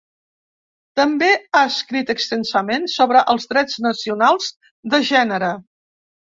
També ha escrit extensament sobre els drets nacionals de gènere.